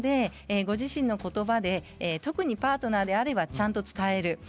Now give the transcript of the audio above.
自分のことばで特にパートナーであればちゃんと伝える。